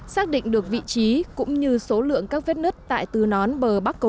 xác định được vị trí cũng như số lượng các vết nứt tại tư nón bờ bắc cộng